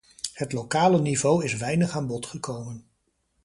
Het lokale niveau is weinig aan bod gekomen.